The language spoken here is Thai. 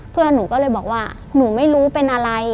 เพื่อนหนูก็เลยบอกว่าหนูไม่รู้เป็นอะไร